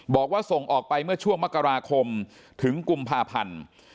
บอกว่าส่งออกไปเมื่อช่วงมกราคมถึงกุมภาพันธ์